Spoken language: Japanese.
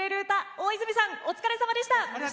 大泉さん、お疲れさまでした。